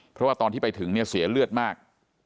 เพราะว่าตอนที่ไปถึงเนี่ยเสียเลือดมาก